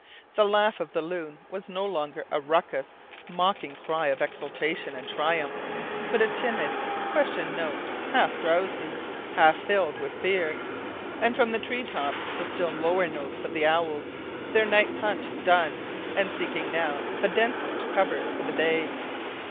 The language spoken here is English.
The laugh of the loon was no longer a raucous, mocking cry of exultation and triumph, but a timid, question note half drowsy, half filled with fear; and from the treetops came the still lower notes of the owls, their night's hunt done, and seeking now the densest covers for the day.